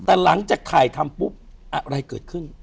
แต่หลังจากถ่ายทำปุ๊บอะไรเกิดขึ้น